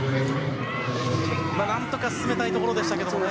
何とか進めたいところでしたけれどもね。